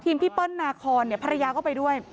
พี่เปิ้ลนาคอนภรรยาก็ไปด้วย